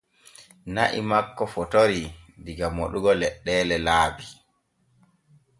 Nyaw makko fotorii diga moɗugo leɗɗeelee laabi.